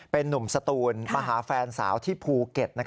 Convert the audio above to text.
เป็นนุ่มสตูนมาหาแฟนสาวที่ภูเก็ต